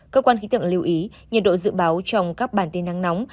cơ quan khí tượng lưu ý nhiệt độ dự báo trong các bản tin nắng nóng